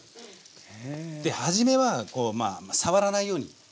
ではじめは触らないように。